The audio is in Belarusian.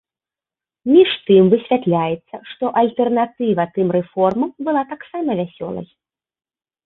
Між тым, высвятляецца, што альтэрнатыва тым рэформам была таксама вясёлай.